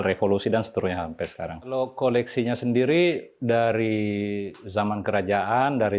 revolusi dan seterusnya sampai sekarang lo koleksinya sendiri dari zaman kerajaan dari